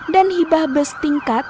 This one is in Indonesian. dan hibah bus tingkat